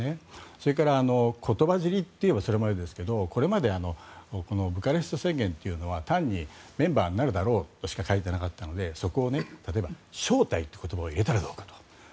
それから言葉尻といえばそれまでですがこれまでブカレスト宣言というのは単にメンバーになるだろうとしか書いてなかったのでそこを例えば、招待という言葉を入れたらどうかと。